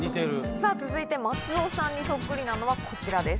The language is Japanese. さぁ続いて松尾さんにそっくりなのはこちらです。